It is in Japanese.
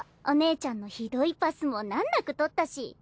お姉ちゃんのひどいパスも難なく取ったし。